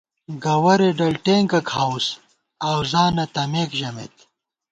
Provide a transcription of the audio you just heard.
گوَرے ڈل ٹېنکہ کھاؤس آؤزانہ تمېک ژَمېت